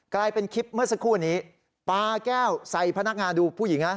กลายเป็นคลิปเมื่อสักครู่นี้ปลาแก้วใส่พนักงานดูผู้หญิงนะ